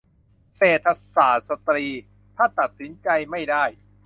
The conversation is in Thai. เศรษฐศาสตร์สตรี : ถ้าตัดสินใจไม่ได้